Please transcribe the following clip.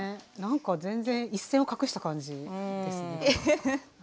なんか全然一線を画した感じですね。